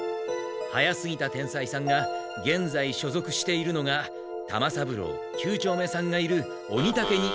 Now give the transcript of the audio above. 早すぎた天才さんがげんざい所ぞくしているのが玉三郎九丁目さんがいるオニタケ忍。